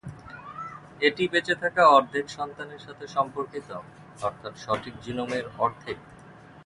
এটি বেঁচে থাকা অর্ধেক সন্তানের সাথে সম্পর্কিত; অর্থাৎ সঠিক জিনোমের অর্ধেক।